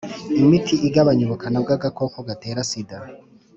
imiti igabanya ubukana bw agakoko gatera sida